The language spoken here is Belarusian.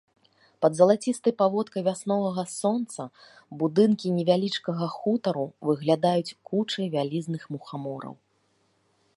Пад залацістай паводкай вясновага сонца будынкі невялічкага хутару выглядаюць кучай вялізных мухамораў.